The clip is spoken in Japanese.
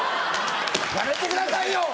やめてくださいよ！